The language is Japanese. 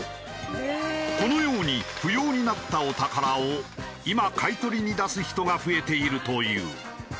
このように不要になったお宝を今買い取りに出す人が増えているという。